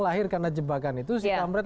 lahir karena jebakan itu si kamret